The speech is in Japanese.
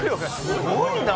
すごいな！